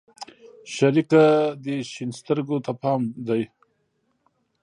شريکه دې شين سترگو ته پام دى؟